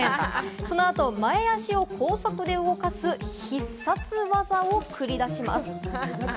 その後、前足を高速で動かす必殺技を繰り出します。